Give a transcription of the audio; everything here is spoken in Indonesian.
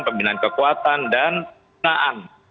pembinaan kekuatan dan penahan